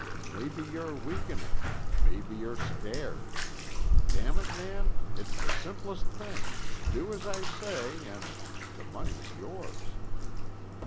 Maybe you're weakening. Maybe you're scared. Damn it, man! it's the simplest thing do as I say and the money's yours."